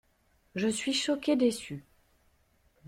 Je suis choqué déçu.